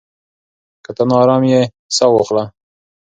که ته ناارام يې، ساه واخله.